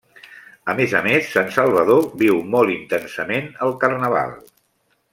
A més a més, Sant Salvador viu molt intensament el Carnaval.